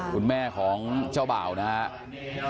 คุณแม่ของเจ้าบ่าวนะครับ